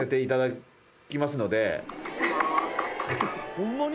ホンマに？